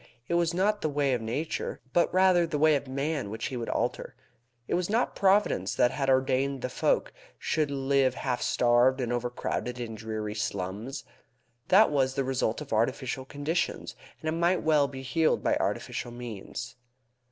It was not the way of nature, but rather the way of man which he would alter. It was not Providence that had ordained that folk should live half starved and overcrowded in dreary slums. That was the result of artificial conditions, and it might well be healed by artificial means.